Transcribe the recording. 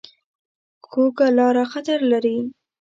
کوږه لاره خطر لري